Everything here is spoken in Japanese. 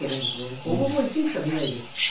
ほぼほぼ一点しか見ないです。